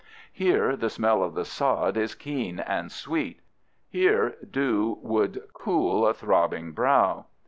Here the smell of the sod is keen and sweet. Here dew would cool a throbbing brow.